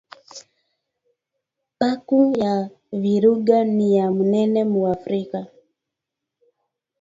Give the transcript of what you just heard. Parque ya virunga niya munene mu afrika